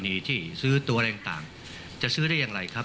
มีที่ซื้อตัวอะไรต่างจะซื้อได้อย่างไรครับ